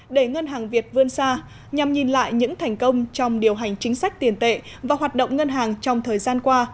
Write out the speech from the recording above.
để ngân hàng việt vươn xa nhằm nhìn lại những thành công trong điều hành chính sách tiền tệ và hoạt động ngân hàng trong thời gian qua